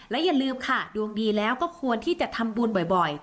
และอย่าลืมค่ะดวงดีแล้วก็ควรที่จะทำบุญบ่อย